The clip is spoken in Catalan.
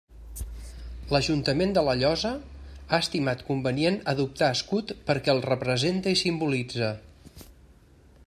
L'Ajuntament de la Llosa ha estimat convenient adoptar escut perquè el represente i simbolitze.